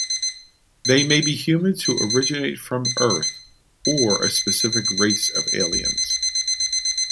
They may be humans who originate from Earth, or a specific race of aliens.